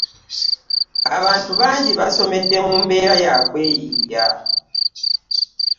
Abantu bangi basomede mu mbeera yakweyiiya.